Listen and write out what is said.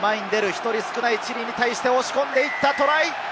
１人少ないチリに対して押し込んでいった、トライ！